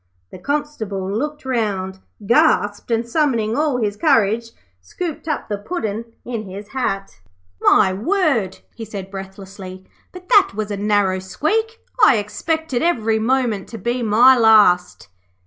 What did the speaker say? The Constable looked round, gasped, and summoning all his courage, scooped up the Puddin' in his hat. 'My word,' he said, breathlessly, 'but that was a narrow squeak. I expected every moment to be my last.'